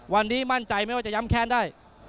วันนี้มั่นใจไม่ว่าจะย้ำแค้นได้